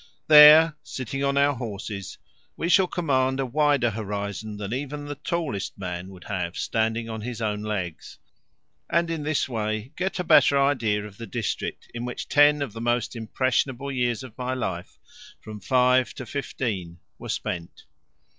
There, sitting on our horses, we shall command a wider horizon than even the tallest man would have standing on his own legs, and in this way get a better idea of the district in which ten of the most impressionable years of my life, from five to fifteen, were spent.